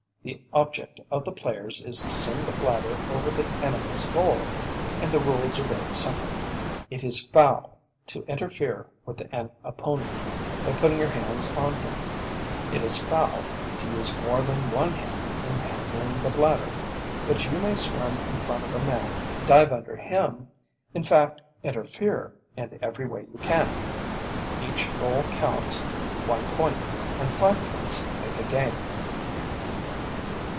The object of the players is to send the bladder over the enemy's goal, and the rules are very simple. It is foul to interfere with an opponent by putting your hands on him, it is foul to use more than one hand in handling the bladder, but you may swim in front of a man, dive under him, in fact "interfere" in every way you can. Each goal counts one point, and five points make a game.